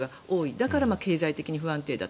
だから経済的に不安定だと。